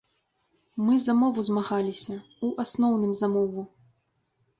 Мы за мову змагаліся, у асноўным, за мову.